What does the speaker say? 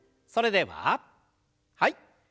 それでははい。